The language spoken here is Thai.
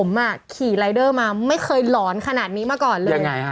ผมขี่รายเดอร์มาไม่เคยหลอนขนาดนี้มาก่อนเลย